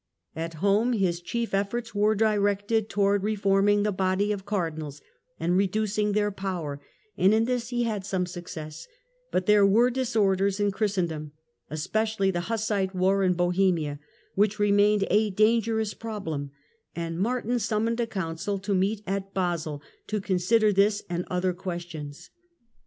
At home his chief efforts were directed towards reforming the body of Cardinals and reducing their power, and in this he had some success ; but there were disorders in Christendom, especially the Hussite war in Bohemia, which remained a dangerous problem, and Martin Summons Summoned a Council to meet at Basle to consider this of Basle" ^^^ othcr questious.